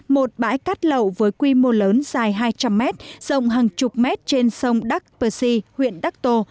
một bãi cát lậu với quy mô lớn dài hai trăm linh mét rộng hàng chục mét trên sông dak persi huyện dakto